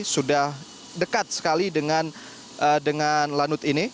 sudah dekat sekali dengan lanut ini